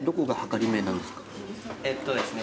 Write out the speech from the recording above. えっとですね